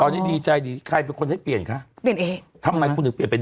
ตอนนี้ดีใจดีใครเป็นคนให้เปลี่ยนคะเปลี่ยนเองทำไมคุณถึงเปลี่ยนเป็น